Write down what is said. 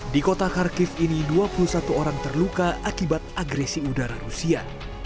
di kota kharkiv ini dua puluh satu orang terluka akibat agresi udara rusia